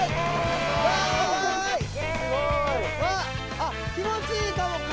あっ気持ちいいかも風。